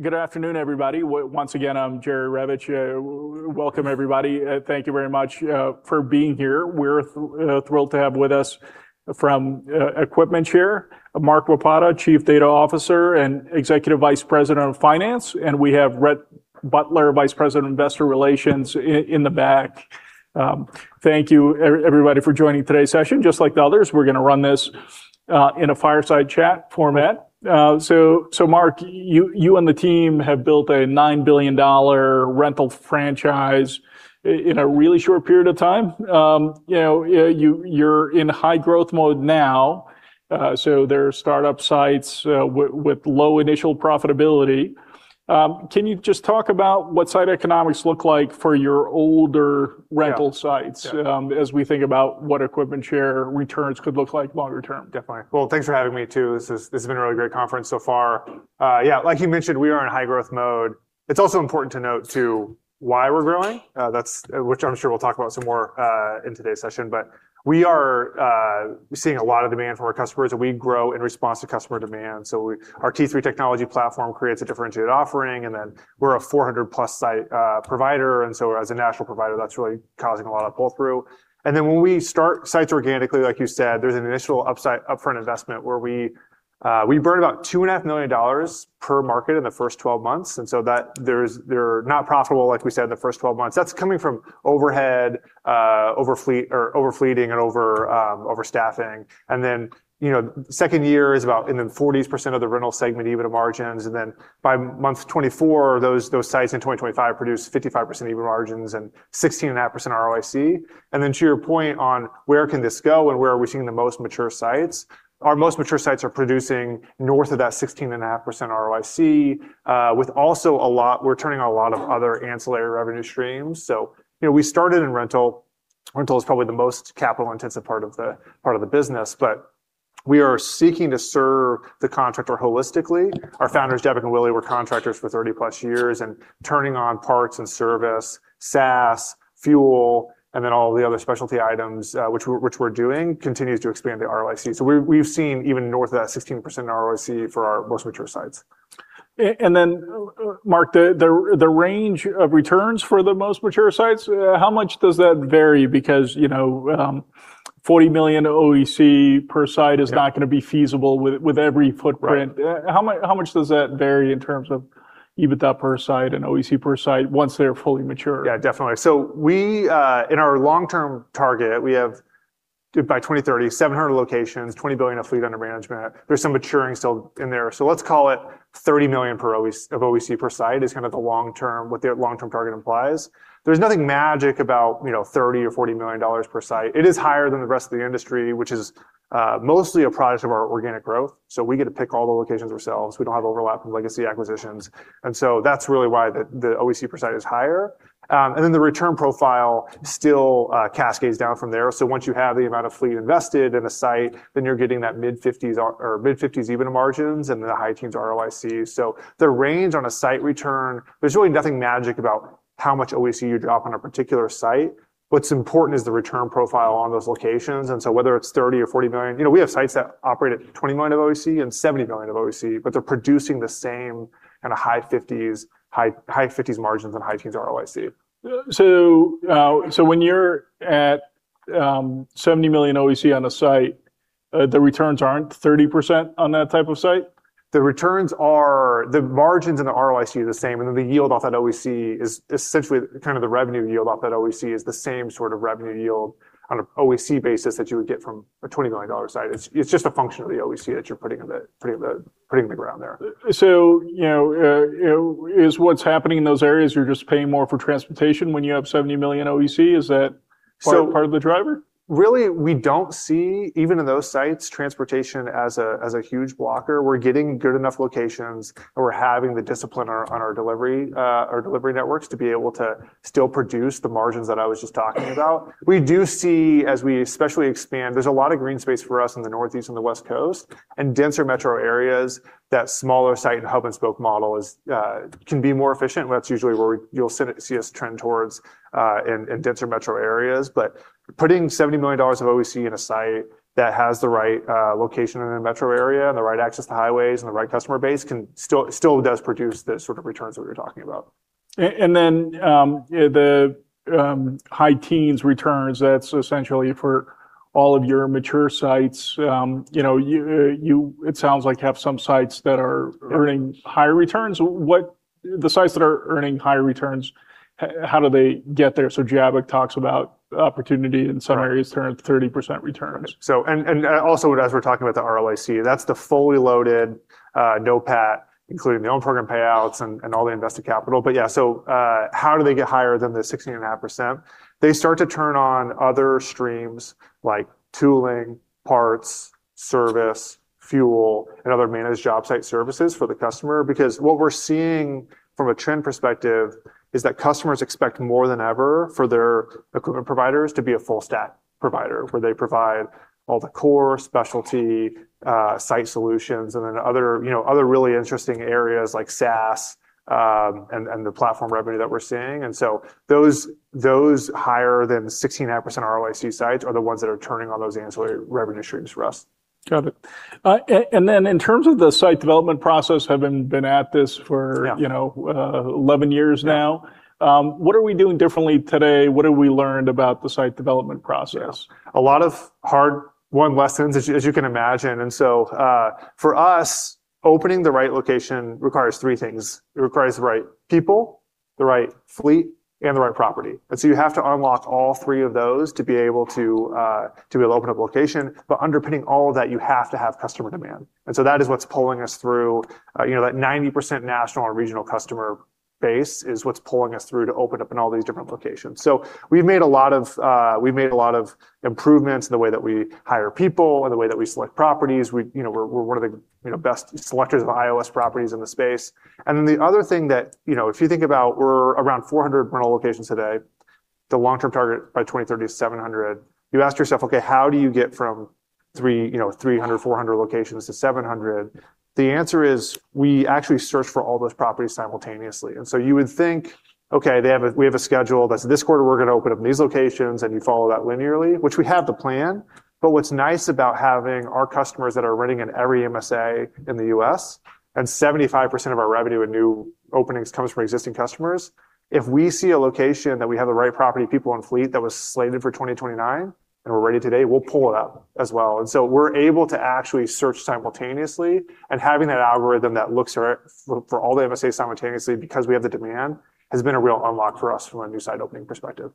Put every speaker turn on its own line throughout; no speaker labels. Good afternoon, everybody. Once again, I'm Jerry Revich. Welcome, everybody. Thank you very much for being here. We're thrilled to have with us from EquipmentShare, Mark Wopata, Chief Data Officer and Executive Vice President of Finance. We have Rhett Butler, Vice President Investor Relations, in the back. Thank you everybody for joining today's session. Just like the others, we're going to run this in a fireside chat format. Mark, you and the team have built a $9 billion rental franchise in a really short period of time. You're in high growth mode now, so there are startup sites with low initial profitability. Can you just talk about what site economics look like for your older rental sites as we think about what EquipmentShare returns could look like longer term?
Definitely. Thanks for having me too. This has been a really great conference so far. Like you mentioned, we are in high growth mode. It's also important to note, too, why we're growing, which I'm sure we'll talk about some more in today's session. We are seeing a lot of demand from our customers, and we grow in response to customer demand. Our T3 technology platform creates a differentiated offering. We're a 400+ site provider, and as a national provider, that's really causing a lot of pull-through. When we start sites organically, like you said, there's an initial upfront investment where we burn about $2.5 million per market in the first 12 months. They're not profitable, like we said, in the first 12 months. That's coming from overhead, over-fleeting, and overstaffing. Second year is about in the 40s% of the rental segment EBITDA margins. By month 24, those sites in 2025 produce 55% EBITDA margins and 16.5% ROIC. To your point on where can this go and where are we seeing the most mature sites, our most mature sites are producing north of that 16.5% ROIC, with also we're turning on a lot of other ancillary revenue streams. We started in rental. Rental is probably the most capital-intensive part of the business. We are seeking to serve the contractor holistically. Our founders, Jabbok and Willy, were contractors for 30+ years, and turning on parts and service, SaaS, fuel, and all the other specialty items, which we're doing, continues to expand the ROIC. We've seen even north of that 16% ROIC for our most mature sites.
Mark, the range of returns for the most mature sites, how much does that vary? $40 million OEC per site is not going to be feasible with every footprint. How much does that vary in terms of EBITDA per site and OEC per site once they're fully mature?
Definitely. We, in our long-term target, we have by 2030, 700 locations, $20 billion of fleet under management. There's some maturing still in there. Let's call it $30 million of OEC per site is kind of what their long-term target implies. There's nothing magic about $30 or $40 million per site. It is higher than the rest of the industry, which is mostly a product of our organic growth. We get to pick all the locations ourselves. We don't have overlap from legacy acquisitions. That's really why the OEC per site is higher. The return profile still cascades down from there. Once you have the amount of fleet invested in a site, you're getting that mid-50s EBITDA margins, the high teens ROIC. The range on a site return, there's really nothing magic about how much OEC you drop on a particular site. What's important is the return profile on those locations. Whether it's $30 or $40 million, we have sites that operate at $20 million of OEC and $70 million of OEC, they're producing the same kind of high 50s margins and high teens ROIC.
When you're at $70 million OEC on a site, the returns aren't 30% on that type of site?
The margins and the ROIC are the same, the yield off that OEC is essentially kind of the revenue yield off that OEC is the same sort of revenue yield on an OEC basis that you would get from a $20 million site. It's just a function of the OEC that you're putting in the ground there.
Is what's happening in those areas, you're just paying more for transportation when you have $70 million OEC? Is that part of the driver?
Really, we don't see, even in those sites, transportation as a huge blocker. We're getting good enough locations, and we're having the discipline on our delivery networks to be able to still produce the margins that I was just talking about. We do see, as we especially expand, there's a lot of green space for us in the Northeast and the West Coast and denser metro areas. That smaller site and hub-and-spoke model can be more efficient, and that's usually where you'll see us trend towards in denser metro areas. Putting $70 million of OEC in a site that has the right location in a metro area, and the right access to highways, and the right customer base still does produce the sort of returns that we were talking about.
The high teens returns, that's essentially for all of your mature sites. It sounds like you have some sites that are earning higher returns. The sites that are earning higher returns, how do they get there? Jabbok talks about opportunity in some of these 30% returns.
As we're talking about the ROIC, that's the fully loaded NOPAT, including the OWN Program payouts and all the invested capital. How do they get higher than the 16.5%? They start to turn on other streams like tooling, parts, service, fuel, and other managed job site services for the customer. What we're seeing from a trend perspective is that customers expect more than ever for their equipment providers to be a full-stack provider, where they provide all the core specialty site solutions and then other really interesting areas like SaaS and the platform revenue that we're seeing. Those higher than 16.5% ROIC sites are the ones that are turning on those ancillary revenue streams for us.
Got it. In terms of the site development process, having been at this for 11 years now. What are we doing differently today? What have we learned about the site development process?
Yeah. A lot of hard-won lessons, as you can imagine. For us, opening the right location requires three things. It requires the right people, the right fleet, and the right property. You have to unlock all three of those to be able to open up location. Underpinning all of that, you have to have customer demand. That is what's pulling us through. That 90% national or regional customer base is what's pulling us through to open up in all these different locations. We've made a lot of improvements in the way that we hire people and the way that we select properties. We're one of the best selectors of IOS properties in the space. Then the other thing that, if you think about, we're around 400 rental locations today. The long-term target by 2030 is 700. You ask yourself, "Okay, how do you get from 300, 400 locations to 700?" The answer is, we actually search for all those properties simultaneously. You would think, okay, we have a schedule that's this quarter we're going to open up these locations, and you follow that linearly, which we have the plan, but what's nice about having our customers that are renting in every MSA in the U.S., and 75% of our revenue and new openings comes from existing customers. If we see a location that we have the right property, people, and fleet that was slated for 2029 and we're ready today, we'll pull it up as well. We're able to actually search simultaneously, and having that algorithm that looks for all the MSAs simultaneously because we have the demand has been a real unlock for us from a new site opening perspective.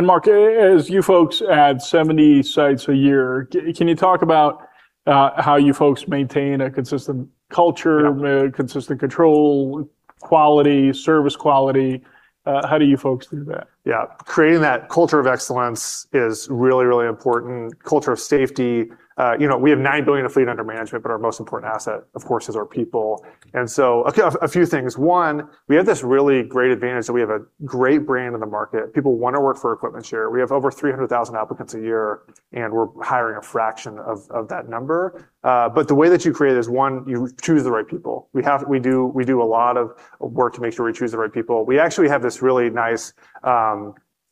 Mark, as you folks add 70 sites a year, can you talk about how you folks maintain a consistent culture, consistent control, quality, service quality? How do you folks do that?
Yeah. Creating that culture of excellence is really, really important. Culture of safety. We have $9 billion of fleet under management, but our most important asset, of course, is our people. A few things. One, we have this really great advantage that we have a great brand in the market. People want to work for EquipmentShare. We have over 300,000 applicants a year, and we're hiring a fraction of that number. The way that you create is, one, you choose the right people. We do a lot of work to make sure we choose the right people. We actually have this really nice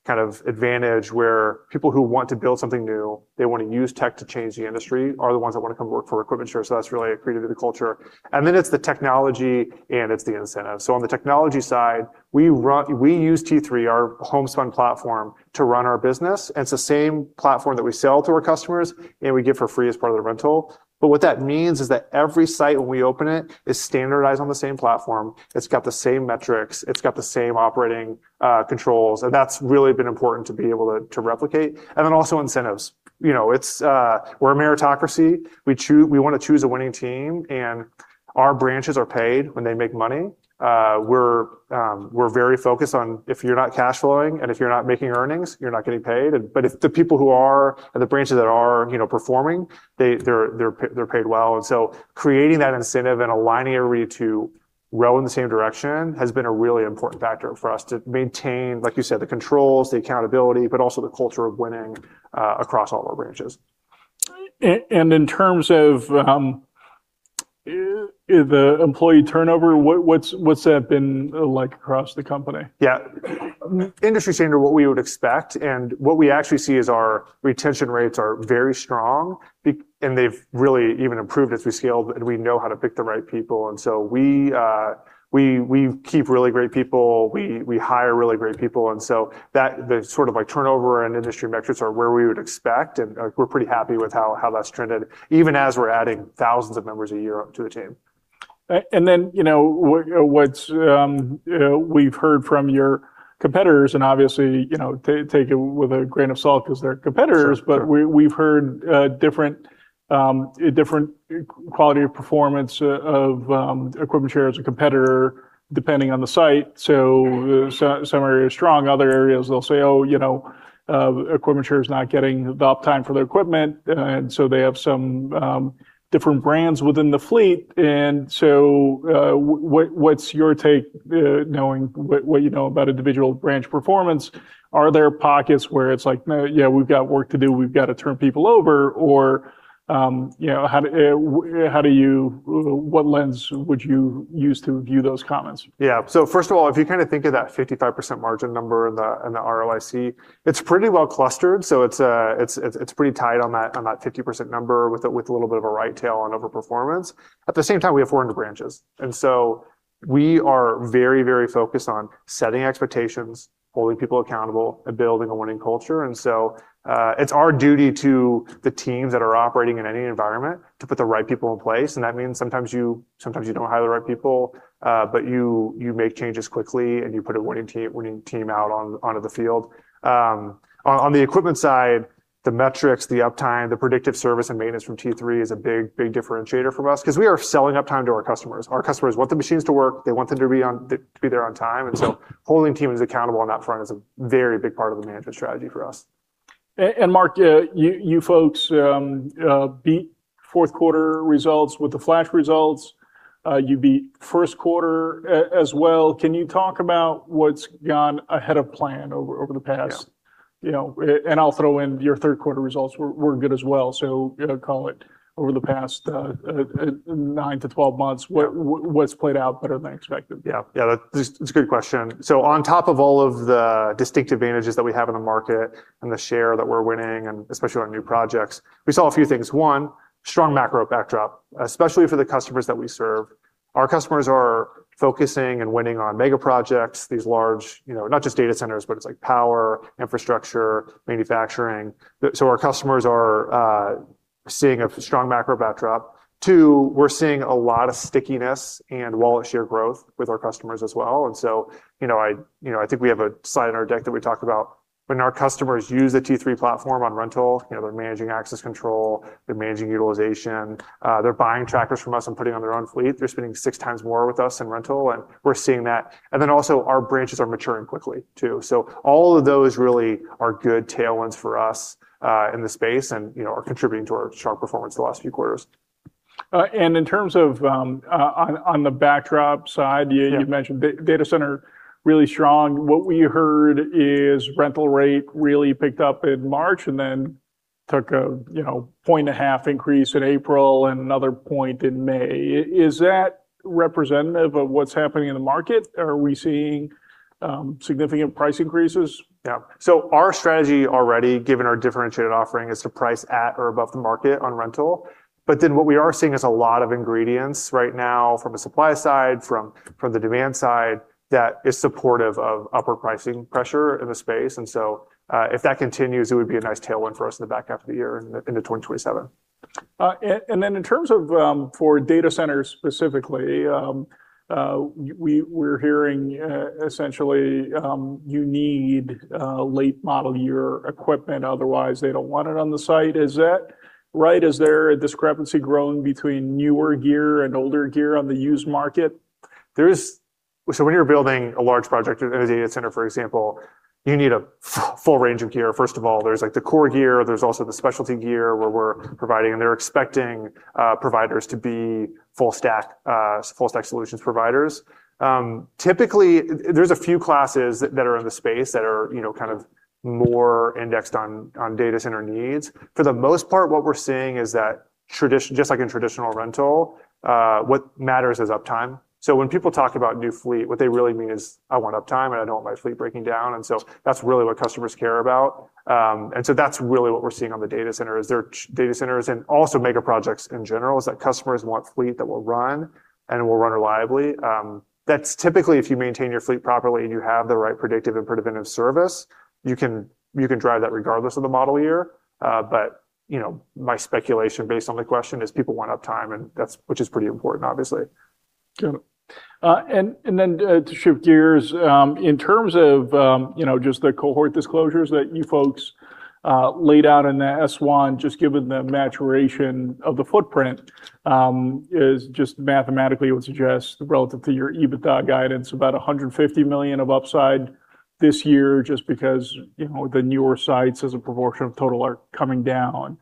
advantage where people who want to build something new, they want to use tech to change the industry, are the ones that want to come work for EquipmentShare. That's really accretive to the culture. It's the technology and it's the incentive. On the technology side, we use T3, our homespun platform, to run our business, and it's the same platform that we sell to our customers and we give for free as part of the rental. What that means is that every site when we open it is standardized on the same platform. It's got the same metrics, it's got the same operating controls. That's really been important to be able to replicate. Also incentives. We're a meritocracy. We want to choose a winning team, and our branches are paid when they make money. We're very focused on if you're not cash flowing and if you're not making earnings, you're not getting paid. If the people who are, or the branches that are performing, they're paid well. Creating that incentive and aligning everybody to row in the same direction has been a really important factor for us to maintain, like you said, the controls, the accountability, but also the culture of winning across all of our branches.
In terms of the employee turnover, what's that been like across the company?
Yeah. Industry standard, what we would expect and what we actually see is our retention rates are very strong, and they've really even improved as we scaled, and we know how to pick the right people. We keep really great people. We hire really great people. The turnover and industry metrics are where we would expect, and we're pretty happy with how that's trended, even as we're adding thousands of members a year to the team.
Then, what we've heard from your competitors, and obviously, take it with a grain of salt because they're competitors. We've heard different quality of performance of EquipmentShare as a competitor depending on the site. Some areas strong. Other areas they'll say, "Oh, EquipmentShare is not getting the uptime for their equipment." They have some different brands within the fleet. What's your take, knowing what you know about individual branch performance? Are there pockets where it's like, "No, yeah, we've got work to do, we've got to turn people over" or what lens would you use to view those comments?
Yeah. First of all, if you think of that 55% margin number and the ROIC, it's pretty well clustered. It's pretty tight on that 50% number with a little bit of a right tail on overperformance. At the same time, we have 400 branches, we are very focused on setting expectations, holding people accountable, and building a winning culture. It's our duty to the teams that are operating in any environment to put the right people in place. That means sometimes you don't hire the right people, but you make changes quickly, and you put a winning team out onto the field. On the equipment side, the metrics, the uptime, the predictive service and maintenance from T3 is a big differentiator from us because we are selling uptime to our customers. Our customers want the machines to work, they want them to be there on time. Holding teams accountable on that front is a very big part of the management strategy for us.
Mark, you folks beat fourth quarter results with the flash results. You beat first quarter as well. Can you talk about what's gone ahead of plan over the past. I'll throw in your third quarter results were good as well. Call it over the past nine to 12 months, what's played out better than expected?
Yeah. It's a good question. On top of all of the distinct advantages that we have in the market and the share that we're winning, especially on new projects, we saw a few things. One, strong macro backdrop, especially for the customers that we serve. Our customers are focusing and winning on mega projects, these large, not just data centers, but it's like power, infrastructure, manufacturing. Our customers are seeing a strong macro backdrop. Two, we're seeing a lot of stickiness and wallet share growth with our customers as well. I think we have a slide in our deck that we talk about when our customers use the T3 platform on rental, they're managing access control, they're managing utilization, they're buying trackers from us and putting them on their own fleet. They're spending six times more with us in rental, we're seeing that. Also our branches are maturing quickly, too. All of those really are good tailwinds for us in the space and are contributing to our sharp performance the last few quarters.
In terms of on the backdrop side, you mentioned data center really strong. What we heard is rental rate really picked up in March and then took a point and a half increase in April and another point in May. Is that representative of what's happening in the market? Are we seeing significant price increases?
Yeah. Our strategy already, given our differentiated offering, is to price at or above the market on rental. What we are seeing is a lot of ingredients right now from a supply side, from the demand side, that is supportive of upper pricing pressure in the space. If that continues, it would be a nice tailwind for us in the back half of the year into 2027.
In terms of for data centers specifically, we're hearing essentially, you need late model year equipment, otherwise they don't want it on the site. Is that right? Is there a discrepancy growing between newer gear and older gear on the used market?
When you're building a large project in a data center, for example, you need a full range of gear. First of all, there's like the core gear, there's also the specialty gear where we're providing, and they're expecting providers to be full stack solutions providers. Typically, there's a few classes that are in the space that are kind of more indexed on data center needs. For the most part, what we're seeing is that just like in traditional rental, what matters is uptime. When people talk about new fleet, what they really mean is, "I want uptime, and I don't want my fleet breaking down." That's really what customers care about. That's really what we're seeing on the data center, is there are data centers and also mega projects in general, is that customers want fleet that will run and will run reliably. That's typically if you maintain your fleet properly and you have the right predictive and preventative service, you can drive that regardless of the model year. My speculation based on the question is people want uptime and that's which is pretty important, obviously.
Got it. To shift gears, in terms of just the cohort disclosures that you folks laid out in the S1, just given the maturation of the footprint, just mathematically it would suggest relative to your EBITDA guidance about $150 million of upside this year, just because the newer sites as a proportion of total are coming down.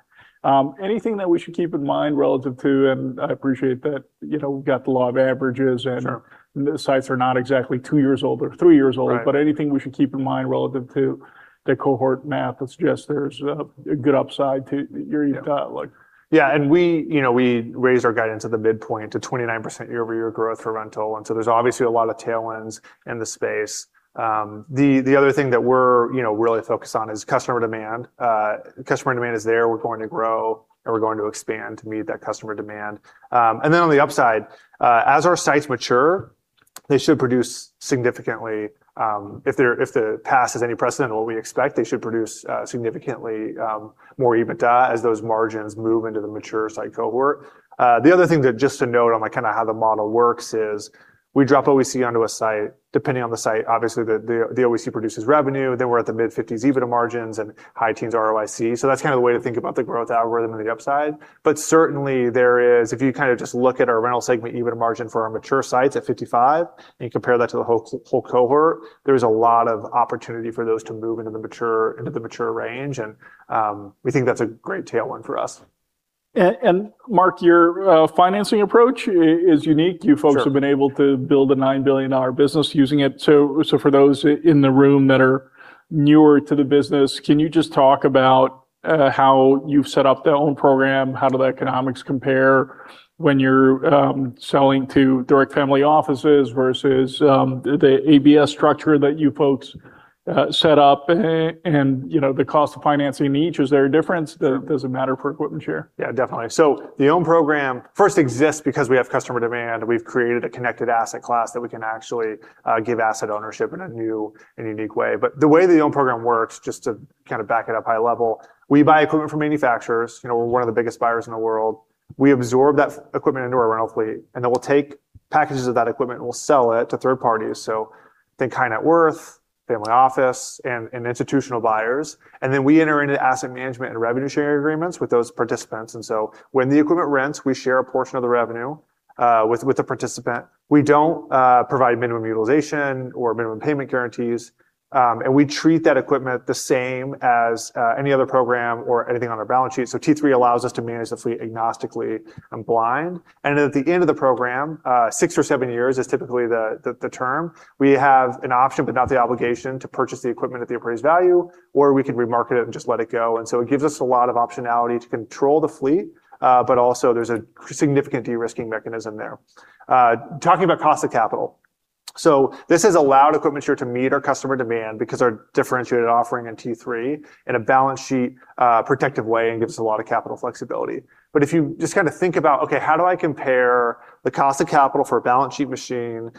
Anything that we should keep in mind relative to, and I appreciate that we've got the law of averages and the sites are not exactly two years old or three years old. Anything we should keep in mind relative to the cohort math that suggests there's a good upside to your EBITDA look?
Yeah, we raised our guidance at the midpoint to 29% year-over-year growth for rental. So there's obviously a lot of tailwinds in the space. The other thing that we're really focused on is customer demand. Customer demand is there. We're going to grow, and we're going to expand to meet that customer demand. Then on the upside, as our sites mature, they should produce significantly, if the past is any precedent of what we expect, they should produce significantly more EBITDA as those margins move into the mature site cohort. The other thing that just to note on like kind of how the model works is we drop OEC onto a site. Depending on the site, obviously, the OEC produces revenue, then we're at the mid-50s EBITDA margins and high teens ROIC. That's kind of the way to think about the growth algorithm and the upside. Certainly there is, if you kind of just look at our rental segment EBITDA margin for our mature sites at 55, and you compare that to the whole cohort, there is a lot of opportunity for those to move into the mature range, and we think that's a great tailwind for us.
Mark, your financing approach is unique. You folks have been able to build a $9 billion business using it. For those in the room that are newer to the business, can you just talk about how you've set up the OWN Program? How do the economics compare when you're selling to direct family offices versus the ABS structure that you folks set up and the cost of financing each? Is there a difference? Does it matter for EquipmentShare?
Yeah, definitely. The OWN Program first exists because we have customer demand. We've created a connected asset class that we can actually give asset ownership in a new and unique way. The way the OWN Program works, just to kind of back it up high level, we buy equipment from manufacturers. We're one of the biggest buyers in the world. We absorb that equipment into our rental fleet, and then we'll take packages of that equipment, and we'll sell it to third parties. Think high net worth, family office, and institutional buyers. Then we enter into asset management and revenue share agreements with those participants. When the equipment rents, we share a portion of the revenue with the participant. We don't provide minimum utilization or minimum payment guarantees. We treat that equipment the same as any other program or anything on our balance sheet. T3 allows us to manage the fleet agnostically and blind. Then at the end of the program, six or seven years is typically the term, we have an option, but not the obligation, to purchase the equipment at the appraised value, or we can remarket it and just let it go. It gives us a lot of optionality to control the fleet. But also there's a significant de-risking mechanism there. Talking about cost of capital. This has allowed EquipmentShare to meet our customer demand because our differentiated offering in T3 in a balance sheet protective way and gives us a lot of capital flexibility. If you just kind of think about, okay, how do I compare the cost of capital for a balance sheet machine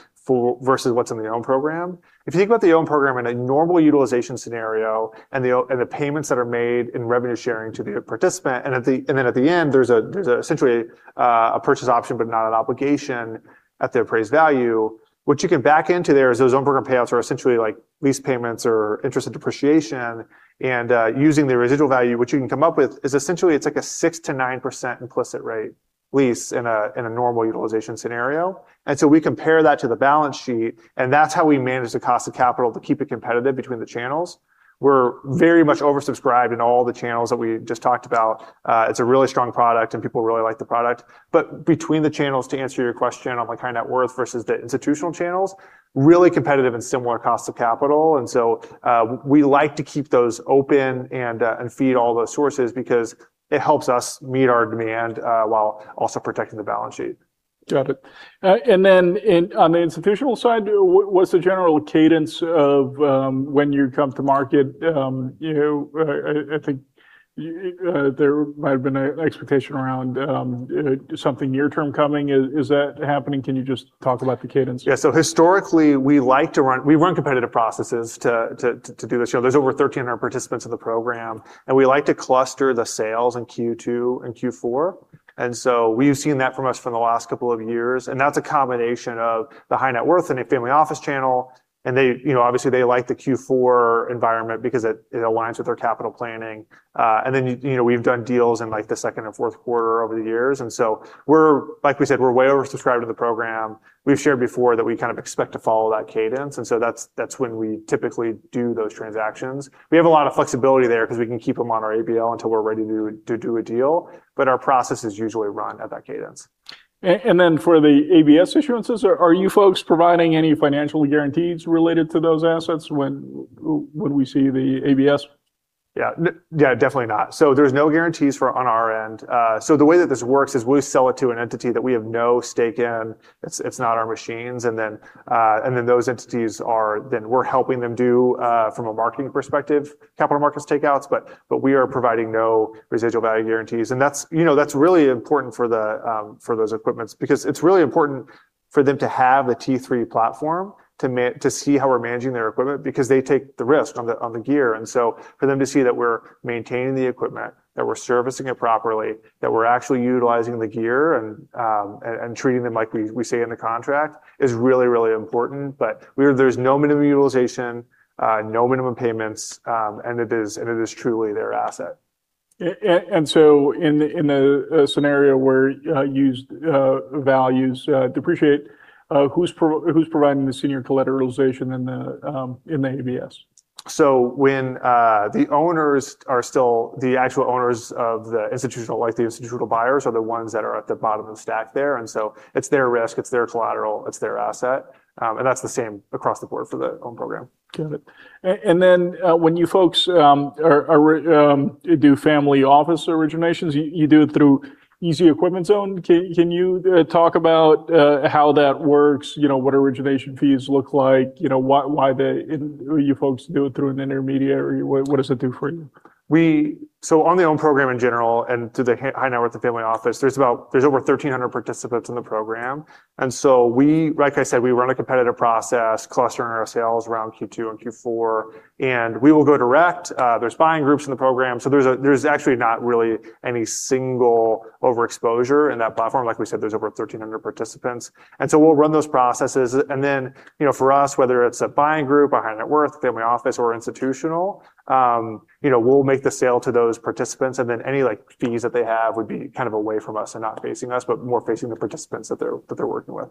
versus what's in the OWN Program? If you think about the OWN Program in a normal utilization scenario and the payments that are made in revenue sharing to the participant, and then at the end, there's essentially a purchase option, but not an obligation at the appraised value. What you can back into there is those OWN Program payouts are essentially like lease payments or interest and depreciation, and using the residual value, what you can come up with is essentially it's like a 6%-9% implicit rate lease in a normal utilization scenario. We compare that to the balance sheet, and that's how we manage the cost of capital to keep it competitive between the channels. We're very much oversubscribed in all the channels that we just talked about. It's a really strong product and people really like the product. Between the channels, to answer your question on the high net worth versus the institutional channels, really competitive and similar cost of capital. We like to keep those open and feed all the sources because it helps us meet our demand, while also protecting the balance sheet.
Got it. On the institutional side, what's the general cadence of when you come to market? I think there might have been an expectation around something near term coming. Is that happening? Can you just talk about the cadence?
Yeah. Historically, we run competitive processes to do this. There's over 1,300 participants in the program, we like to cluster the sales in Q2 and Q4. We've seen that from us for the last couple of years. That's a combination of the high net worth and the family office channel. Obviously they like the Q4 environment because it aligns with their capital planning. We've done deals in the second and fourth quarter over the years. Like we said, we're way oversubscribed to the program. We've shared before that we kind of expect to follow that cadence, that's when we typically do those transactions. We have a lot of flexibility there because we can keep them on our ABL until we're ready to do a deal. Our processes usually run at that cadence.
For the ABS issuances, are you folks providing any financial guarantees related to those assets when we see the ABS?
Yeah. Definitely not. There's no guarantees on our end. The way that this works is we sell it to an entity that we have no stake in. It's not our machines, those entities are then we're helping them do, from a marketing perspective, capital markets takeouts, but we are providing no residual value guarantees. That's really important for those equipments because it's really important for them to have the T3 platform to see how we're managing their equipment because they take the risk on the gear. For them to see that we're maintaining the equipment, that we're servicing it properly, that we're actually utilizing the gear and treating them like we say in the contract is really, really important. There's no minimum utilization, no minimum payments, and it is truly their asset.
In the scenario where used values depreciate, who's providing the senior collateralization in the ABS?
When the owners are still the actual owners of the institutional, like the institutional buyers are the ones that are at the bottom of the stack there, it's their risk, it's their collateral, it's their asset. That's the same across the board for the OWN Program.
Got it. When you folks do family office originations, you do it through EZ Equipment Zone. Can you talk about how that works? What origination fees look like? Why you folks do it through an intermediary? What does it do for you?
On the OWN Program in general and to the high net worth, the family office, there's over 1,300 participants in the program. We, like I said, we run a competitive process clustering our sales around Q2 and Q4, we will go direct. There's buying groups in the program. There's actually not really any single overexposure in that platform. Like we said, there's over 1,300 participants, we'll run those processes. For us, whether it's a buying group, a high net worth, family office, or institutional, we'll make the sale to those participants, any fees that they have would be kind of away from us and not facing us, but more facing the participants that they're working with.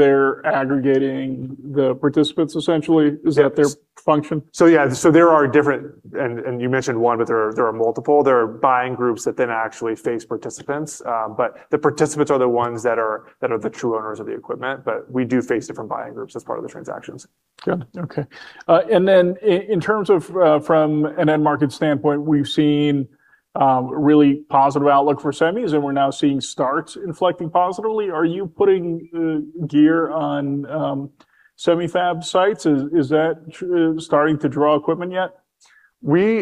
They're aggregating the participants essentially?
Yes.
Is that their function?
Yeah. There are different-- you mentioned one, but there are multiple. There are buying groups that then actually face participants. The participants are the ones that are the true owners of the equipment, but we do face different buying groups as part of the transactions.
Good. Okay. Then in terms of from an end market standpoint, we've seen really positive outlook for semis, and we're now seeing starts inflecting positively. Are you putting gear on semi-fab sites? Is that starting to draw equipment yet?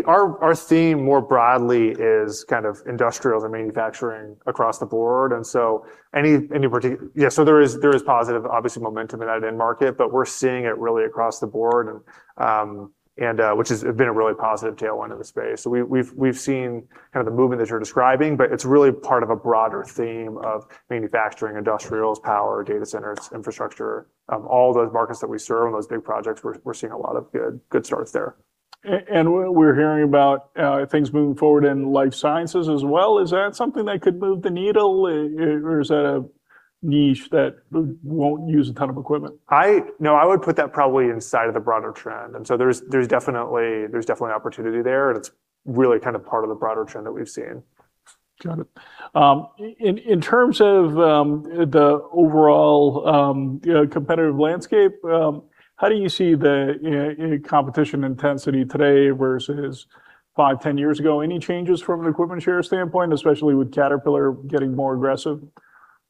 Our theme more broadly is kind of industrials and manufacturing across the board. There is positive, obviously, momentum in that end market, but we're seeing it really across the board, which has been a really positive tailwind in the space. We've seen kind of the movement that you're describing, but it's really part of a broader theme of manufacturing, industrials, power, data centers, infrastructure, all those markets that we serve and those big projects, we're seeing a lot of good starts there.
We're hearing about things moving forward in life sciences as well. Is that something that could move the needle, or is that a niche that won't use a ton of equipment?
No, I would put that probably inside of the broader trend, and so there's definitely opportunity there, and it's really kind of part of the broader trend that we've seen.
Got it. In terms of the overall competitive landscape, how do you see the competition intensity today versus five, 10 years ago? Any changes from an EquipmentShare standpoint, especially with Caterpillar getting more aggressive?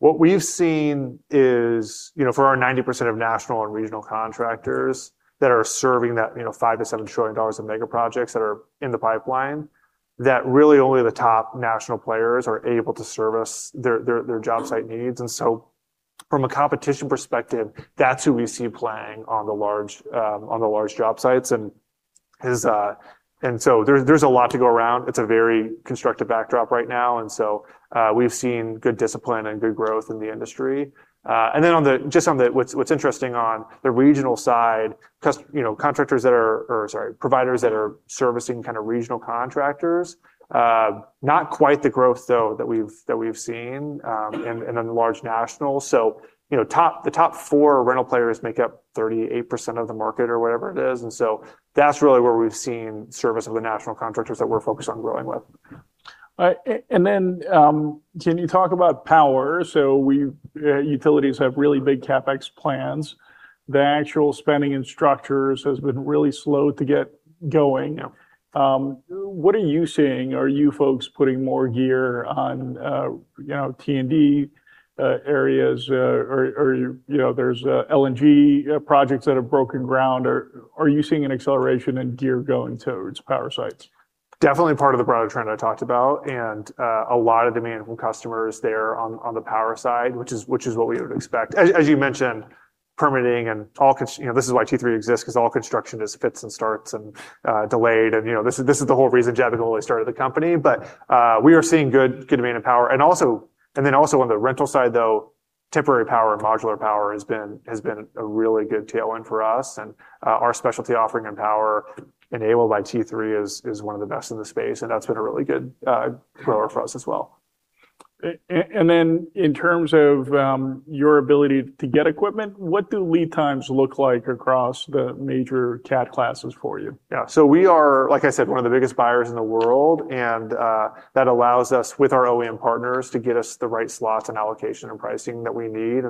What we've seen is for our 90% of national and regional contractors that are serving that $5 trillion to $7 trillion of mega projects that are in the pipeline, that really only the top national players are able to service their job site needs. From a competition perspective, that's who we see playing on the large job sites. There's a lot to go around. It's a very constructive backdrop right now, we've seen good discipline and good growth in the industry. Just on what's interesting on the regional side, providers that are servicing regional contractors, not quite the growth though that we've seen in the large nationals. The top four rental players make up 38% of the market or whatever it is. That's really where we've seen service of the national contractors that we're focused on growing with.
Right. Can you talk about power? Utilities have really big CapEx plans. The actual spending in structures has been really slow to get going. What are you seeing? Are you folks putting more gear on T&D areas? There's LNG projects that have broken ground. Are you seeing an acceleration in gear going towards power sites?
Definitely part of the broader trend I talked about, a lot of demand from customers there on the power side, which is what we would expect. As you mentioned, permitting, this is why T3 exists, because all construction is fits and starts and delayed and this is the whole reason Jabbok Schlacks started the company. We are seeing good demand in power. Also on the rental side, though, temporary power and modular power has been a really good tailwind for us. Our specialty offering in power enabled by T3 is one of the best in the space, and that's been a really good grower for us as well.
In terms of your ability to get equipment, what do lead times look like across the major CAT classes for you?
We are, like I said, one of the biggest buyers in the world, that allows us, with our OEM partners, to get us the right slots and allocation and pricing that we need.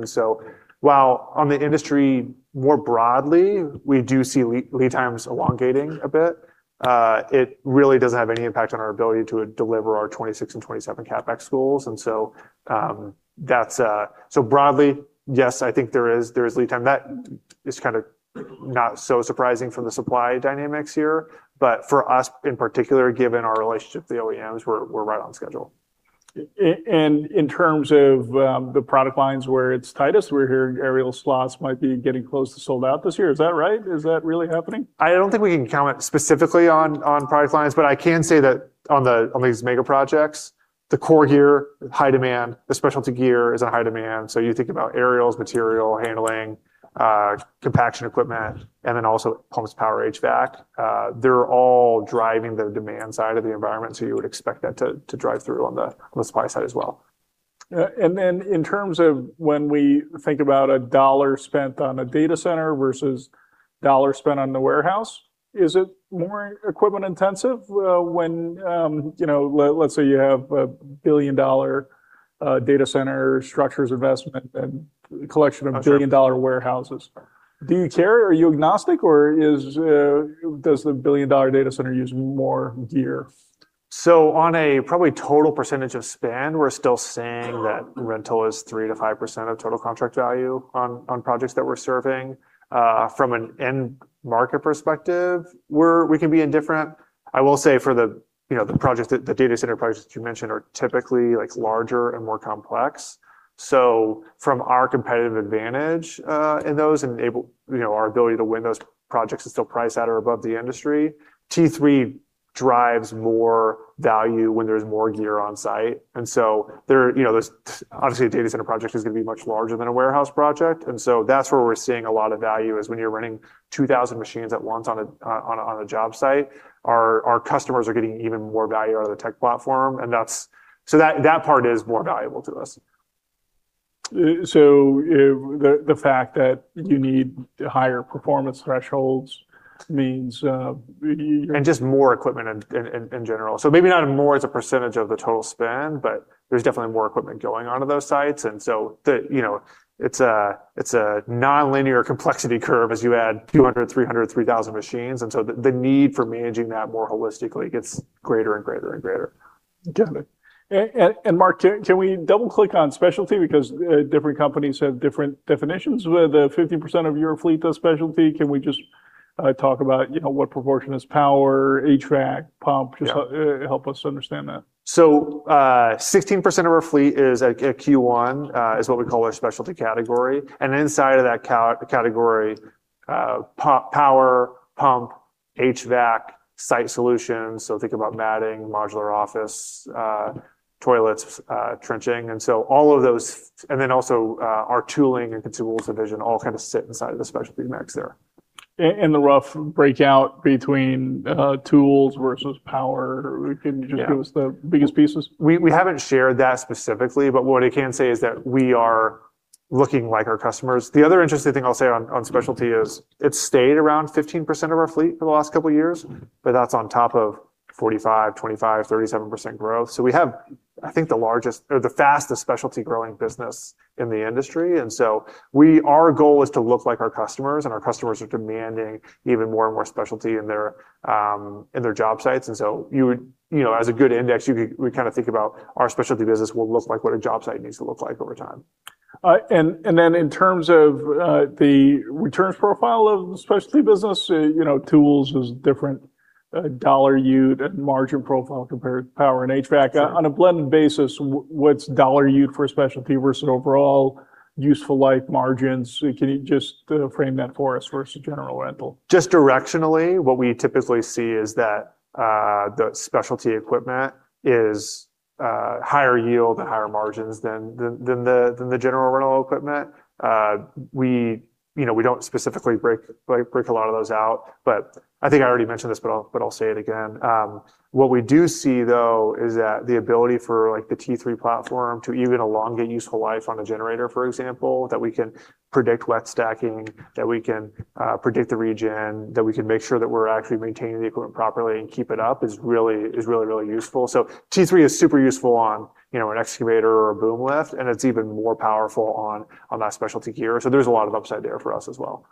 While on the industry more broadly, we do see lead times elongating a bit, it really doesn't have any impact on our ability to deliver our 2026 and 2027 CapEx goals. Broadly, yes, I think there is lead time. That is kind of not so surprising from the supply dynamics here. For us, in particular, given our relationship with the OEMs, we're right on schedule.
In terms of the product lines where it's tightest, we're hearing aerial slots might be getting close to sold out this year. Is that right? Is that really happening?
I don't think we can comment specifically on product lines, but I can say that on these mega projects, the core gear, high demand, the specialty gear is in high demand. You think about aerials, material handling, compaction equipment, and then also pumps, power, HVAC. They're all driving the demand side of the environment, you would expect that to drive through on the supply side as well.
In terms of when we think about a dollar spent on a data center versus dollar spent on the warehouse, is it more equipment intensive? Let's say you have a billion-dollar data center structures investment and collection of billion-dollar warehouses. Do you care? Are you agnostic, or does the billion-dollar data center use more gear?
On a probably total percentage of spend, we're still saying that rental is 3%-5% of total contract value on projects that we're serving. From an end market perspective, we can be indifferent. I will say for the data center projects that you mentioned are typically larger and more complex. From our competitive advantage in those enable our ability to win those projects that still price at or above the industry, T3 drives more value when there's more gear on site. Obviously, a data center project is going to be much larger than a warehouse project, that's where we're seeing a lot of value is when you're running 2,000 machines at once on a job site. Our customers are getting even more value out of the tech platform, that part is more valuable to us.
The fact that you need higher performance thresholds means
Just more equipment in general. Maybe not more as a percentage of the total spend, but there's definitely more equipment going onto those sites, it's a nonlinear complexity curve as you add 200, 300, 3,000 machines. The need for managing that more holistically gets greater and greater and greater.
Got it. Mark, can we double-click on specialty? Different companies have different definitions. With 15% of your fleet does specialty, can we just talk about what proportion is power, HVAC, pump? Just help us understand that.
16% of our fleet is at Q1, is what we call our specialty category. Inside of that category, power, pump, HVAC, site solutions, so think about matting, modular office, toilets, trenching, and then also our tooling and tools division all kind of sit inside of the specialty mix there.
The rough breakout between tools versus power, can you just give us the biggest pieces?
We haven't shared that specifically, what I can say is that we are looking like our customers. The other interesting thing I'll say on specialty is it's stayed around 15% of our fleet for the last couple of years, that's on top of 45%, 25%, 37% growth. We have, I think, the fastest specialty growing business in the industry, our goal is to look like our customers, and our customers are demanding even more and more specialty in their job sites. As a good index, we kind of think about our specialty business will look like what a job site needs to look like over time.
In terms of the returns profile of the specialty business, tools is different dollar yield and margin profile compared to power and HVAC. On a blended basis, what's dollar yield for a specialty versus overall useful life margins? Can you just frame that for us versus general rental?
Just directionally, what we typically see is that the specialty equipment is higher yield and higher margins than the general rental equipment. We don't specifically break a lot of those out, I think I already mentioned this, but I'll say it again. What we do see, though, is that the ability for the T3 platform to even elongate useful life on a generator, for example, that we can predict wet stacking, that we can predict the regen, that we can make sure that we're actually maintaining the equipment properly and keep it up is really, really useful. T3 is super useful on an excavator or a boom lift, and it's even more powerful on that specialty gear. There's a lot of upside there for us as well.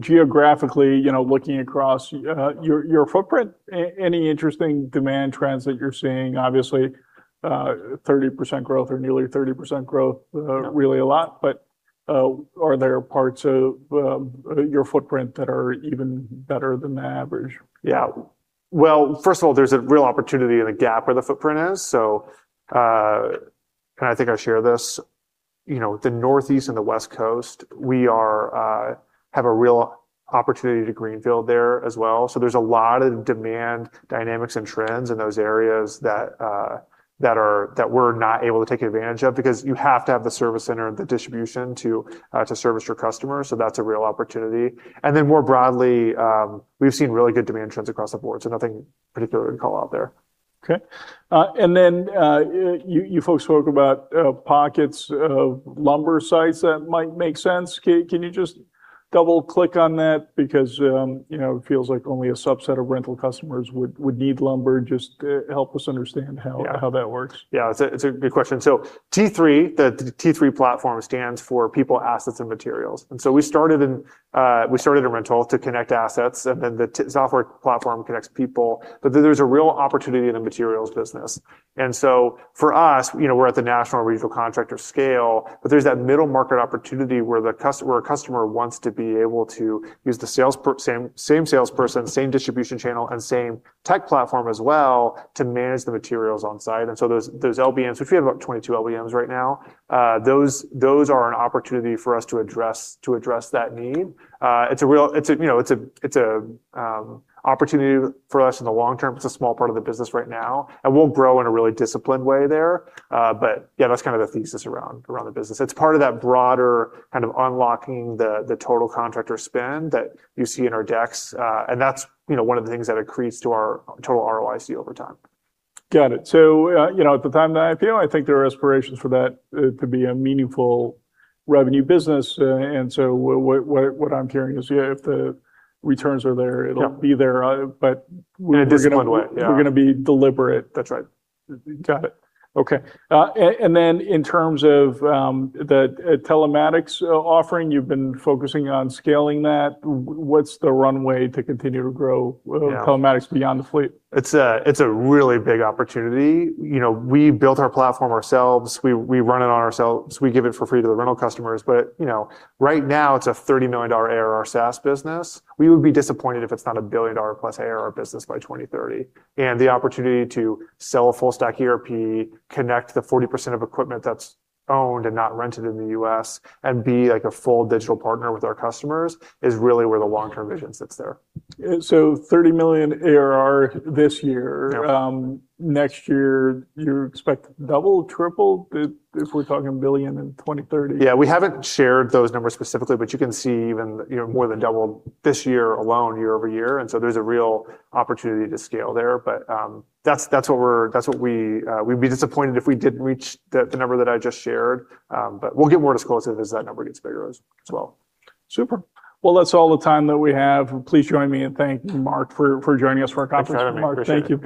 Geographically, looking across your footprint, any interesting demand trends that you're seeing? Obviously, 30% growth or nearly 30% growth, really a lot. Are there parts of your footprint that are even better than the average?
Well, first of all, there's a real opportunity and a gap where the footprint is. I think I share this, the Northeast and the West Coast, we have a real opportunity to greenfield there as well. There's a lot of demand dynamics and trends in those areas that we're not able to take advantage of because you have to have the service center, the distribution to service your customers. That's a real opportunity. More broadly, we've seen really good demand trends across the board, so nothing particular to call out there.
Okay. You folks spoke about pockets of lumber sites that might make sense. Can you just double-click on that? It feels like only a subset of rental customers would need lumber. Help us understand how that works.
Yeah, it's a good question. T3, the T3 platform stands for people, assets, and materials. We started in rental to connect assets, the software platform connects people, there's a real opportunity in the materials business. For us, we're at the national regional contractor scale, there's that middle market opportunity where a customer wants to be able to use the same salesperson, same distribution channel, and same tech platform as well to manage the materials on-site. Those LBMs, which we have about 22 LBMs right now, those are an opportunity for us to address that need. It's an opportunity for us in the long term. It's a small part of the business right now, and we'll grow in a really disciplined way there. Yeah, that's kind of the thesis around the business. It's part of that broader kind of unlocking the total contractor spend that you see in our decks. That's one of the things that accretes to our total ROIC over time.
Got it. At the time of the IPO, I think there are aspirations for that to be a meaningful revenue business. What I'm hearing is if the returns are there, it'll be there, but-
In a disciplined way, yeah
you're going to be deliberate.
That's right.
Got it. Okay. In terms of the telematics offering, you've been focusing on scaling that. What's the runway to continue to grow telematics beyond the fleet?
It's a really big opportunity. We built our platform ourselves. We run it on ourselves. We give it for free to the rental customers. Right now, it's a $30 million ARR SaaS business. We would be disappointed if it's not a billion-dollar plus ARR business by 2030. The opportunity to sell a full stack ERP, connect the 40% of equipment that's owned and not rented in the U.S., and be a full digital partner with our customers is really where the long-term vision sits there.
$30 million ARR this year.
Yeah.
Next year, you expect double, triple, if we're talking billion in 2030?
Yeah, we haven't shared those numbers specifically, but you can see even more than double this year alone, year-over-year. There's a real opportunity to scale there. We'd be disappointed if we didn't reach the number that I just shared. We'll get more disclosed as that number gets bigger as well.
Super. Well, that's all the time that we have. Please join me in thanking Mark for joining us for our conference call.
Thanks for having me. Appreciate it.
Mark, thank you.